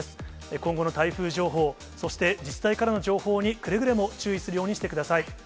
今後の台風情報、そして自治体からの情報に、くれぐれも注意するようにしてください。